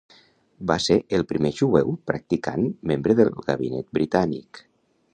Va ser el primer jueu practicant membre del gabinet britànic.